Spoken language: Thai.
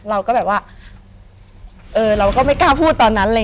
เราก็แบบว่าเออเราก็ไม่กล้าพูดตอนนั้นเลย